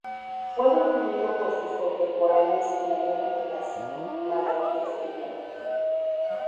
Fue definido por sus contemporáneos como una de las maravillas del mundo.